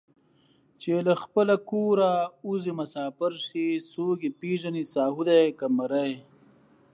چې له خپله کوره اوځي مسافر شي څوک یې پېژني ساهو دی که مریی